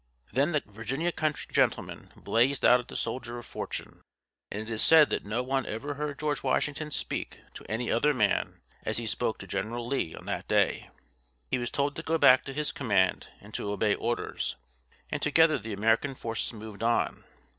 Then the Virginia country gentleman blazed out at the soldier of fortune, and it is said that no one ever heard George Washington speak to any other man as he spoke to General Lee on that day. He was told to go back to his command and to obey orders, and together the American forces moved on.